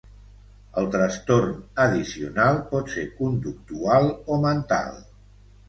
El trastorn addicional pot ser conductual o mental.